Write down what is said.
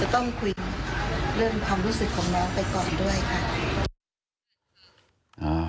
ต้องคุยเรื่องความรู้สึกของน้องไปก่อนด้วยค่ะ